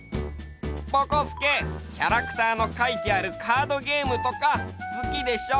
ぼこすけキャラクターのかいてあるカードゲームとかすきでしょ？